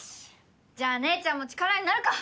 じゃあ姉ちゃんも力になるか！